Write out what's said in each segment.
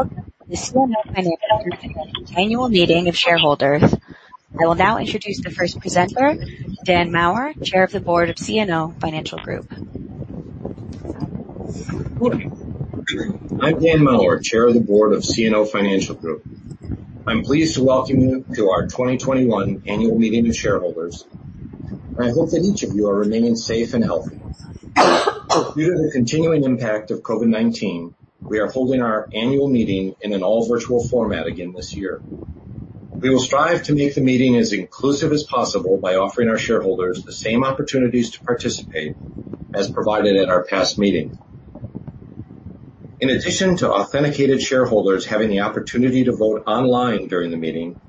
Welcome to CNO Financial Group Annual Meeting of Shareholders. I will now introduce the first presenter, Dan Maurer, Chair of the Board of CNO Financial Group. I'm Dan Maurer, Chair of the Board of CNO Financial Group. I'm pleased to welcome you to our 2021 Annual Meeting of Shareholders. I hope that each of you are remaining safe and healthy. Due to the continuing impact of COVID-19, we are holding our annual meeting in an all virtual format again this year. We will strive to make the meeting as inclusive as possible by offering our shareholders the same opportunities to participate as provided at our past meeting. In addition to authenticated shareholders having the opportunity to vote online during the meeting,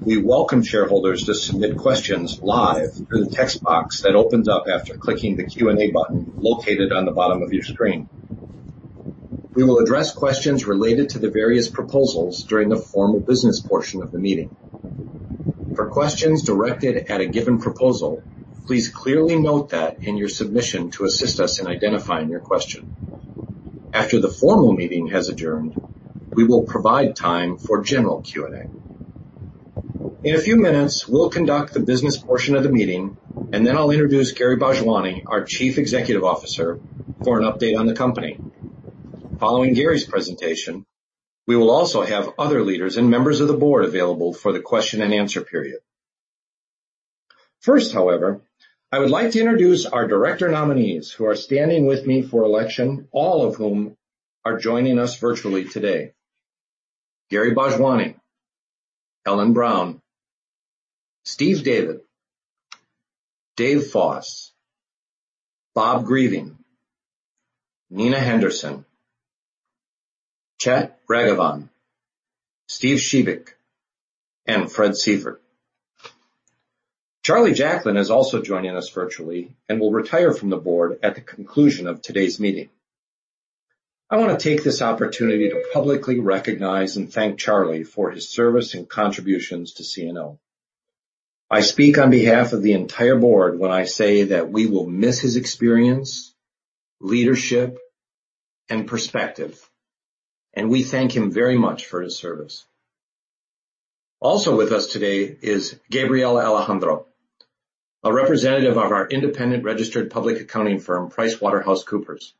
we welcome shareholders to submit questions live through the text box that opens up after clicking the Q&A button located on the bottom of your screen. We will address questions related to the various proposals during the formal business portion of the meeting. For questions directed at a given proposal, please clearly note that in your submission to assist us in identifying your question. After the formal meeting has adjourned, we will provide time for general Q&A. In a few minutes, we'll conduct the business portion of the meeting. Then I'll introduce Gary Bhojwani, our Chief Executive Officer, for an update on the company. Following Gary's presentation, we will also have other leaders and members of the board available for the question and answer period. First, however, I would like to introduce our director nominees who are standing with me for election, all of whom are joining us virtually today. Gary Bhojwani, Ellyn Brown, Steve David, Dave Foss, Robert Greving, Nina Henderson, Chet Ragavan, Steven Shebik, and Frederick Sievert. Charlie Jacklin is also joining us virtually and will retire from the board at the conclusion of today's meeting. I want to take this opportunity to publicly recognize and thank Charlie for his service and contributions to CNO. I speak on behalf of the entire board when I say that we will miss his experience, leadership, and perspective, and we thank him very much for his service. Also with us today is Gabriel Alejandro, a representative of our independent registered public accounting firm, PricewaterhouseCoopers.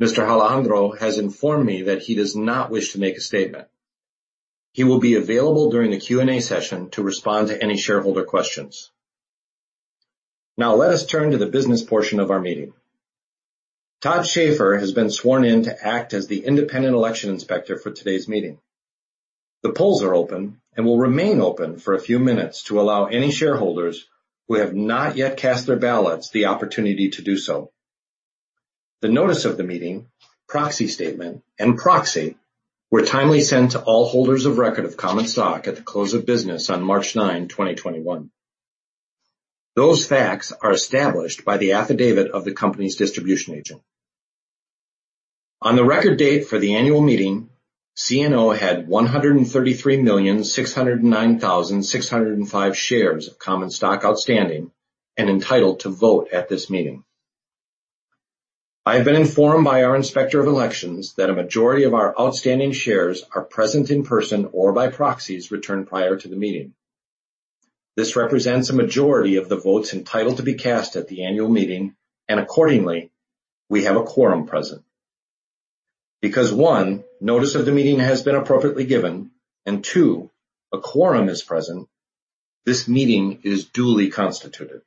Mr. Alejandro has informed me that he does not wish to make a statement. He will be available during the Q&A session to respond to any shareholder questions. Let us turn to the business portion of our meeting. Todd Schaefer has been sworn in to act as the independent election inspector for today's meeting. The polls are open and will remain open for a few minutes to allow any shareholders who have not yet cast their ballots the opportunity to do so. The notice of the meeting, proxy statement, and proxy were timely sent to all holders of record of common stock at the close of business on March ninth, 2021. Those facts are established by the affidavit of the company's distribution agent. On the record date for the annual meeting, CNO had 133,609,605 shares of common stock outstanding and entitled to vote at this meeting. I have been informed by our Inspector of Elections that a majority of our outstanding shares are present in person or by proxies returned prior to the meeting. This represents a majority of the votes entitled to be cast at the annual meeting, and accordingly, we have a quorum present. One, notice of the meeting has been appropriately given, and two, a quorum is present, this meeting is duly constituted.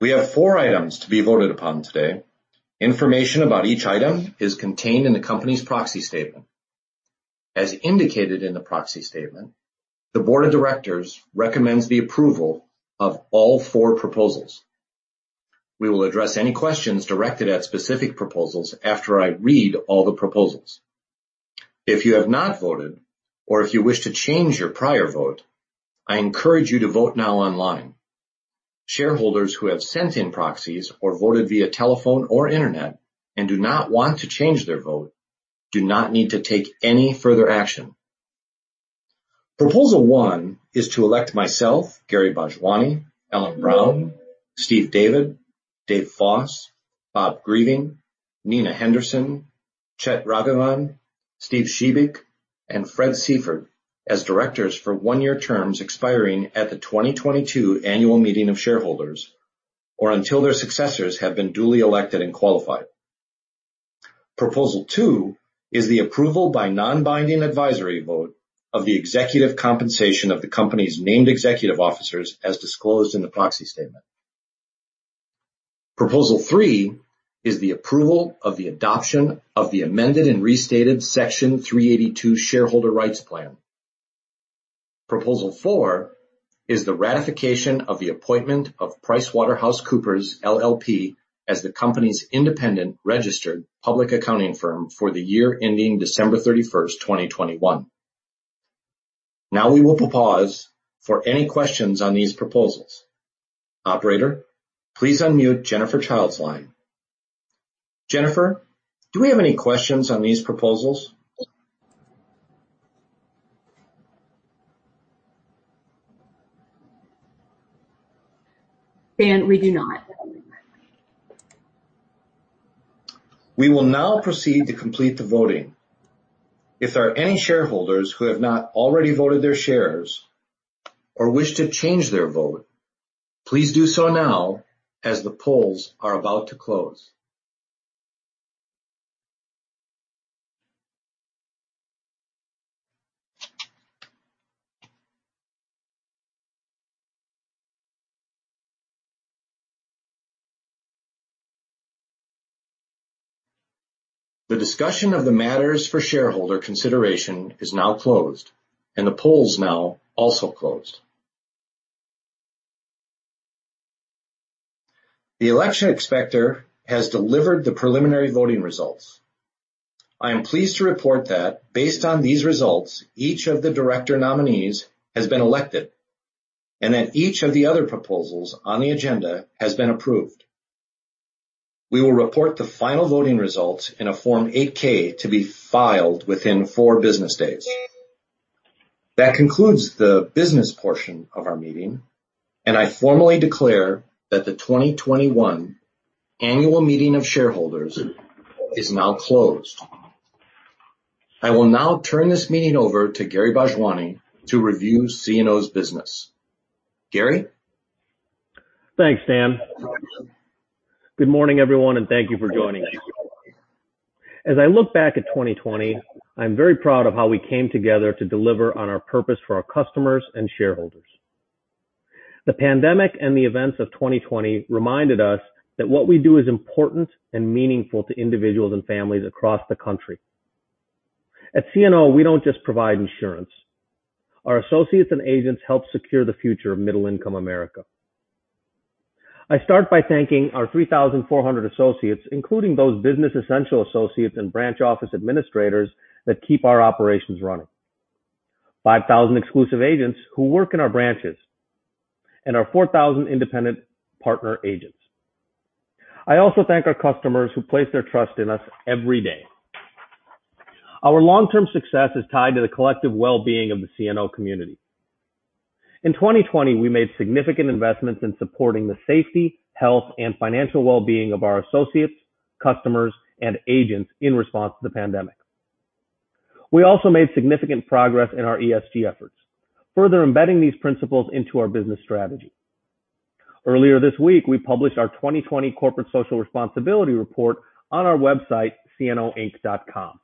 We have four items to be voted upon today. Information about each item is contained in the company's proxy statement. As indicated in the proxy statement, the board of directors recommends the approval of all four proposals. We will address any questions directed at specific proposals after I read all the proposals. If you have not voted, or if you wish to change your prior vote, I encourage you to vote now online. Shareholders who have sent in proxies or voted via telephone or internet and do not want to change their vote do not need to take any further action. Proposal one is to elect myself, Gary Bhojwani, Ellyn Brown, Steve David, Dave Foss, Bob Greving, Nina Henderson, Chet Ragavan, Steve Shebik, and Fred Sievert, as directors for one-year terms expiring at the 2022 Annual Meeting of Shareholders or until their successors have been duly elected and qualified. Proposal two is the approval by non-binding advisory vote of the executive compensation of the company's named executive officers as disclosed in the proxy statement. Proposal three is the approval of the adoption of the amended and restated Section 382 Shareholder Rights plan. Proposal four is the ratification of the appointment of PricewaterhouseCoopers LLP as the company's independent registered public accounting firm for the year ending December 31st, 2021. Now we will pause for any questions on these proposals. Operator, please unmute Jennifer Childe's line. Jennifer, do we have any questions on these proposals? Dan, we do not. We will now proceed to complete the voting. If there are any shareholders who have not already voted their shares or wish to change their vote, please do so now as the polls are about to close. The discussion of the matters for shareholder consideration is now closed and the polls now also closed. The election inspector has delivered the preliminary voting results. I am pleased to report that based on these results, each of the director nominees has been elected and that each of the other proposals on the agenda has been approved. We will report the final voting results in a Form 8-K to be filed within four business days. That concludes the business portion of our meeting, and I formally declare that the 2021 Annual Meeting of Shareholders is now closed. I will now turn this meeting over to Gary Bhojwani to review CNO's business. Gary? Thanks, Dan. Good morning, everyone, and thank you for joining us. As I look back at 2020, I'm very proud of how we came together to deliver on our purpose for our customers and shareholders. The pandemic and the events of 2020 reminded us that what we do is important and meaningful to individuals and families across the country. At CNO, we don't just provide insurance. Our associates and agents help secure the future of middle-income America. I start by thanking our 3,400 associates, including those business essential associates and branch office administrators that keep our operations running, 5,000 exclusive agents who work in our branches, and our 4,000 independent partner agents. I also thank our customers who place their trust in us every day. Our long-term success is tied to the collective wellbeing of the CNO community. In 2020, we made significant investments in supporting the safety, health, and financial wellbeing of our associates, customers, and agents in response to the pandemic. We also made significant progress in our ESG efforts, further embedding these principles into our business strategy. Earlier this week, we published our 2020 corporate social responsibility report on our website, cnoinc.com.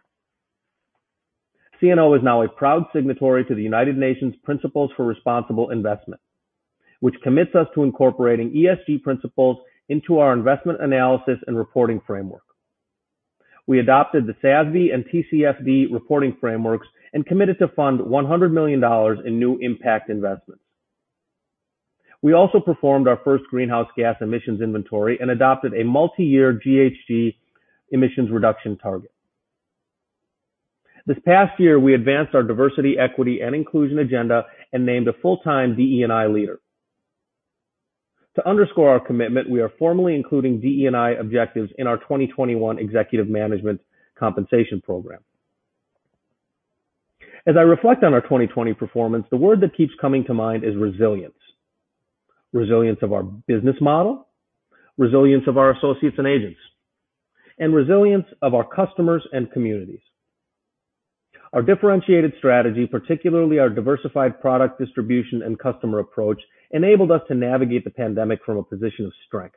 CNO is now a proud signatory to the United Nations Principles for Responsible Investment, which commits us to incorporating ESG principles into our investment analysis and reporting framework. We adopted the SASB and TCFD reporting frameworks and committed to fund $100 million in new impact investments. We also performed our first greenhouse gas emissions inventory and adopted a multi-year GHG emissions reduction target. This past year, we advanced our diversity, equity, and inclusion agenda and named a full-time DE&I leader. To underscore our commitment, we are formally including DE&I objectives in our 2021 executive management compensation program. As I reflect on our 2020 performance, the word that keeps coming to mind is resilience. Resilience of our business model, resilience of our associates and agents, and resilience of our customers and communities. Our differentiated strategy, particularly our diversified product distribution and customer approach, enabled us to navigate the pandemic from a position of strength.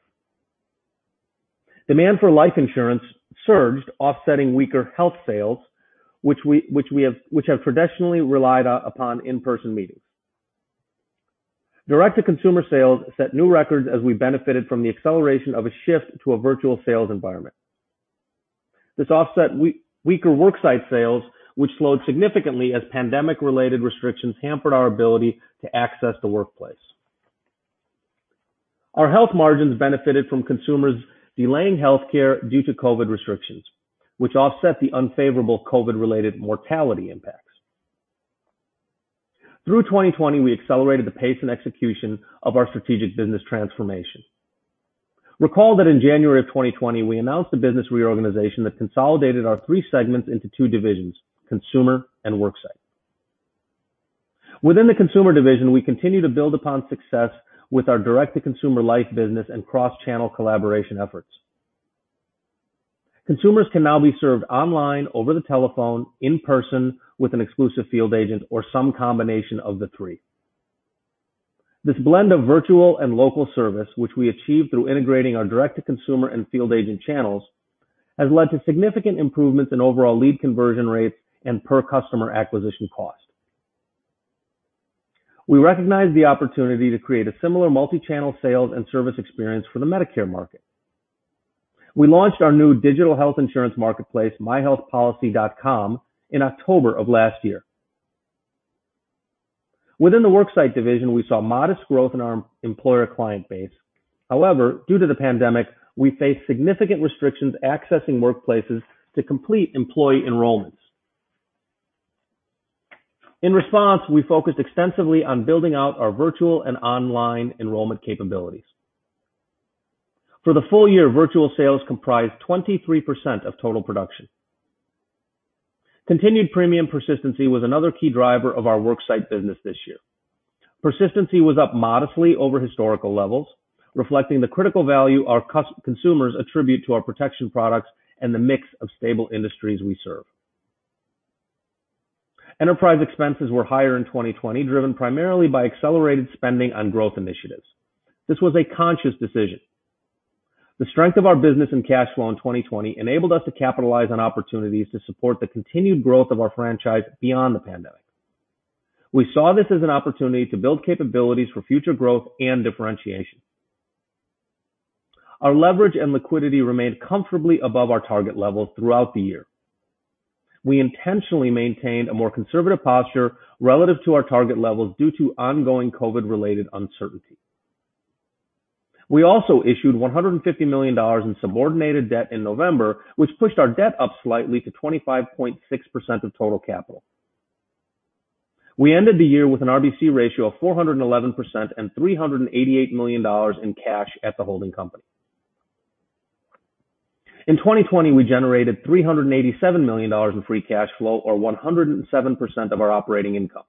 Demand for life insurance surged, offsetting weaker health sales, which have traditionally relied upon in-person meetings. Direct-to-consumer sales set new records as we benefited from the acceleration of a shift to a virtual sales environment. This offset weaker worksite sales, which slowed significantly as pandemic-related restrictions hampered our ability to access the workplace. Our health margins benefited from consumers delaying healthcare due to COVID restrictions, which offset the unfavorable COVID-related mortality impacts. Through 2020, we accelerated the pace and execution of our strategic business transformation. Recall that in January of 2020, we announced a business reorganization that consolidated our three segments into two divisions, consumer and worksite. Within the consumer division, we continue to build upon success with our direct-to-consumer life business and cross-channel collaboration efforts. Consumers can now be served online, over the telephone, in person with an exclusive field agent or some combination of the three. This blend of virtual and local service, which we achieved through integrating our direct-to-consumer and field agent channels, has led to significant improvements in overall lead conversion rates and per customer acquisition cost. We recognize the opportunity to create a similar multi-channel sales and service experience for the Medicare market. We launched our new digital health insurance marketplace, myhealthpolicy.com, in October of last year. Within the Worksite division, we saw modest growth in our employer client base. Due to the pandemic, we faced significant restrictions accessing workplaces to complete employee enrollments. In response, we focused extensively on building out our virtual and online enrollment capabilities. For the full year, virtual sales comprised 23% of total production. Continued premium persistency was another key driver of our Worksite business this year. Persistency was up modestly over historical levels, reflecting the critical value our consumers attribute to our protection products and the mix of stable industries we serve. Enterprise expenses were higher in 2020, driven primarily by accelerated spending on growth initiatives. This was a conscious decision. The strength of our business and cash flow in 2020 enabled us to capitalize on opportunities to support the continued growth of our franchise beyond the pandemic. We saw this as an opportunity to build capabilities for future growth and differentiation. Our leverage and liquidity remained comfortably above our target levels throughout the year. We intentionally maintained a more conservative posture relative to our target levels due to ongoing COVID-19-related uncertainty. We also issued $150 million in subordinated debt in November, which pushed our debt up slightly to 25.6% of total capital. We ended the year with an RBC ratio of 411% and $388 million in cash at the holding company. In 2020, we generated $387 million in free cash flow, or 107% of our operating income.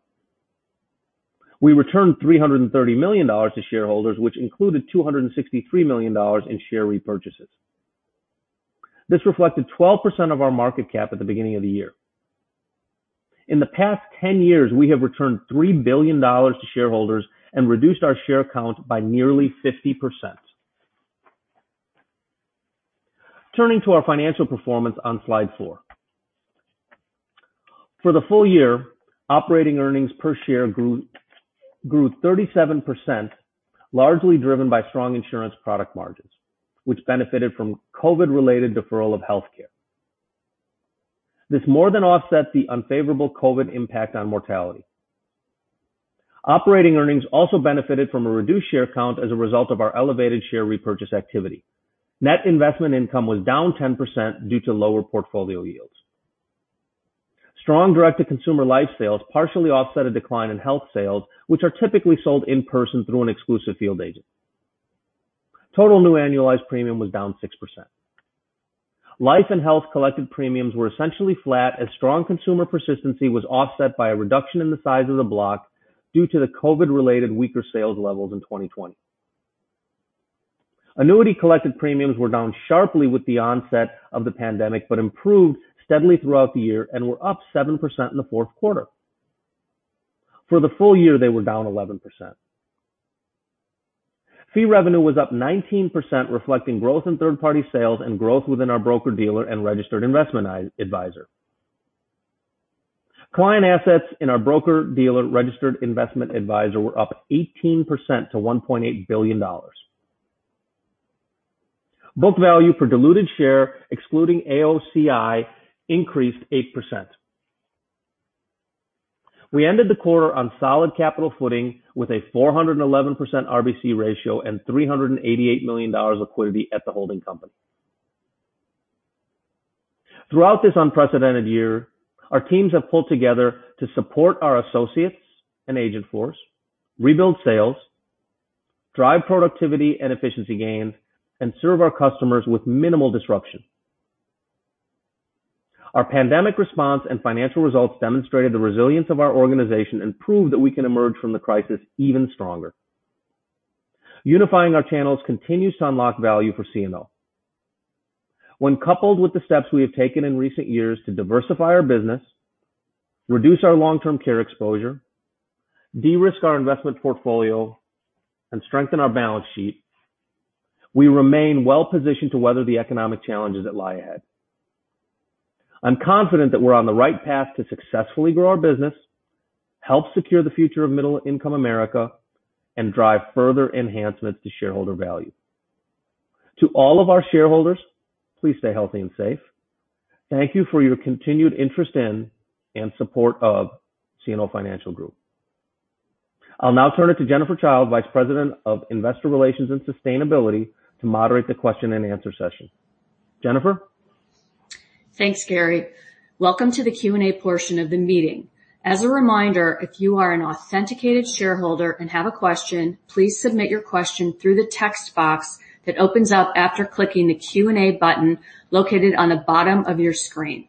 We returned $330 million to shareholders, which included $263 million in share repurchases. This reflected 12% of our market cap at the beginning of the year. In the past 10 years, we have returned $3 billion to shareholders and reduced our share count by nearly 50%. Turning to our financial performance on slide four. For the full year, operating earnings per share grew 37%, largely driven by strong insurance product margins, which benefited from COVID-19-related deferral of healthcare. This more than offset the unfavorable COVID-19 impact on mortality. Operating earnings also benefited from a reduced share count as a result of our elevated share repurchase activity. Net investment income was down 10% due to lower portfolio yields. Strong direct-to-consumer life sales partially offset a decline in health sales, which are typically sold in person through an exclusive field agent. Total new annualized premium was down 6%. Life and health collected premiums were essentially flat as strong consumer persistency was offset by a reduction in the size of the block due to the COVID-19-related weaker sales levels in 2020. Annuity collected premiums were down sharply with the onset of the pandemic, but improved steadily throughout the year and were up 7% in the fourth quarter. For the full year, they were down 11%. Fee revenue was up 19%, reflecting growth in third-party sales and growth within our broker-dealer and registered investment advisor. Client assets in our broker-dealer registered investment advisor were up 18% to $1.8 billion. Book value for diluted share, excluding AOCI, increased 8%. We ended the quarter on solid capital footing with a 411% RBC ratio and $388 million liquidity at the holding company. Throughout this unprecedented year, our teams have pulled together to support our associates and agent force, rebuild sales, drive productivity and efficiency gains, and serve our customers with minimal disruption. Our pandemic response and financial results demonstrated the resilience of our organization and proved that we can emerge from the crisis even stronger. Unifying our channels continues to unlock value for CNO. When coupled with the steps we have taken in recent years to diversify our business, reduce our long-term care exposure, de-risk our investment portfolio, and strengthen our balance sheet, we remain well positioned to weather the economic challenges that lie ahead. I'm confident that we're on the right path to successfully grow our business, help secure the future of middle-income America, and drive further enhancements to shareholder value. To all of our shareholders, please stay healthy and safe. Thank you for your continued interest in and support of CNO Financial Group. I'll now turn it to Jennifer Childe, Vice President of Investor Relations and Sustainability, to moderate the question and answer session. Jennifer? Thanks, Gary. Welcome to the Q&A portion of the meeting. As a reminder, if you are an authenticated shareholder and have a question, please submit your question through the text box that opens up after clicking the Q&A button located on the bottom of your screen.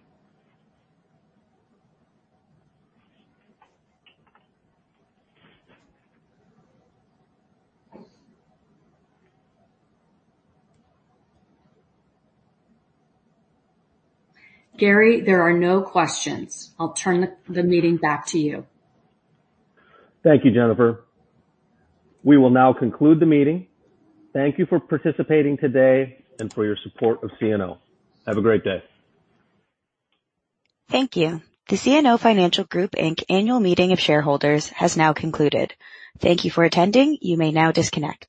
Gary, there are no questions. I'll turn the meeting back to you. Thank you, Jennifer. We will now conclude the meeting. Thank you for participating today and for your support of CNO. Have a great day. Thank you. The CNO Financial Group, Inc. annual meeting of shareholders has now concluded. Thank you for attending. You may now disconnect